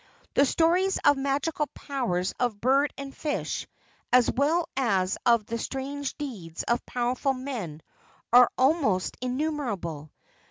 The stories of magical powers of bird and fish as well as of the strange deeds of powerful men are almost innumerable.